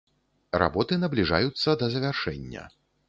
Работы набліжаюцца да завяршэння.